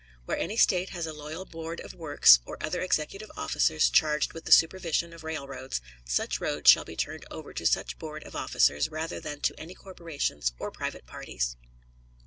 Where any State has a loyal board of works, or other executive officers charged with the supervision of railroads, such road shall be turned over to such board of officers rather than to any corporations or private parties.